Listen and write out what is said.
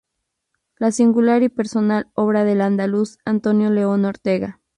La singular y personal obra del andaluz Antonio León Ortega.